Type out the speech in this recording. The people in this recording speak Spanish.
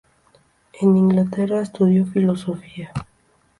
En Inglaterra estudió filosofía.